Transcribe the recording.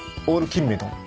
オールキンメ丼。